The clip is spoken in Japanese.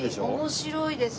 面白いです。